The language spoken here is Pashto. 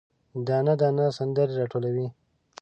دانه، دانه سندرې، راټولوي